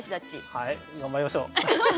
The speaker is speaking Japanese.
はい頑張りましょう。